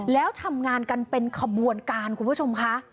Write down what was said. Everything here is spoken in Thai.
แล้วทำงานกันเป็นขบวนการคุณผู้ชมค่ะ